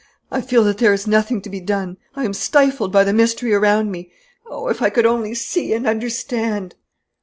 I feel that there is nothing to be done! I am stifled by the mystery around me! Oh, if I could only see and understand!"